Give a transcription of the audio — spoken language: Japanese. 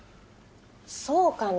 そうかな？